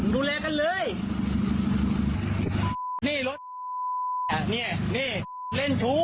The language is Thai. ดูแลกันเลยนี่รถเนี้ยเนี้ยเล่นทู